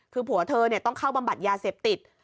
คือผัวเธอต้องเข้าบำบัดยาเสพติด